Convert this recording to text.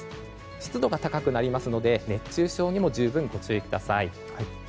湿度が高くなるので熱中症にも十分ご注意ください。